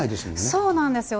そうなんですよ。